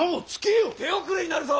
手遅れになるぞ！